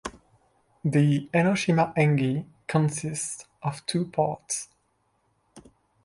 The "Enoshima Engi" consists of two parts.